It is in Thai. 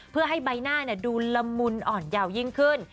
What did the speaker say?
เพื่อให้ใบหน้าดูละมุนอ่อนยาวยิ่งขึ้น